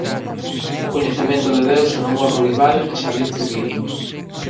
O coñecemento de Deus en Amor Ruibal e Xavier Zubiri".